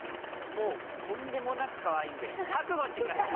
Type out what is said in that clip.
もうとんでもなくかわいいんで覚悟して下さい。